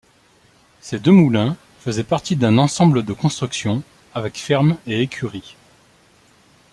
Ces deux moulins faisaient partie d'un ensemble de constructions avec ferme et écurie.